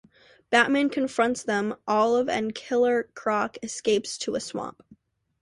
Batman confronts them, Olive and Killer Croc escape to a swamp.